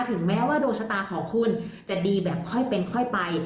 ถึงแม้ว่าดวงชะตาของคุณจะดีแบบค่อยเป็นค่อยไป